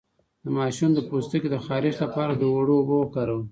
د ماشوم د پوستکي د خارښ لپاره د اوړو اوبه وکاروئ